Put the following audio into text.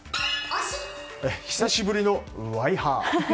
久しぶりのワイハー。